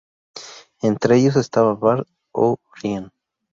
Entre ellos estaba Bart O'Brien.